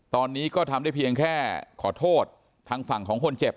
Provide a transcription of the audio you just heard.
ตอนนี้ก็ทำได้เพียงแค่ขอโทษทางฝั่งของคนเจ็บ